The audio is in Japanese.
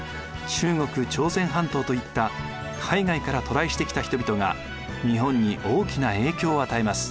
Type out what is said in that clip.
中国朝鮮半島といった海外から渡来してきた人々が日本に大きな影響を与えます。